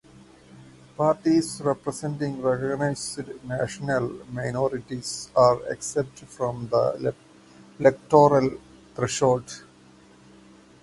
Parties representing recognized national minorities are exempt from the electoral threshold.